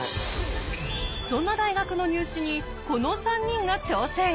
そんな大学の入試にこの３人が挑戦！